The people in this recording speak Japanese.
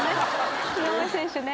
井上選手ね。